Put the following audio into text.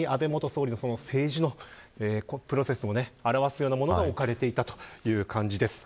まさに、安倍元総理の政治のプロセスを表すような物が置かれていたという感じです。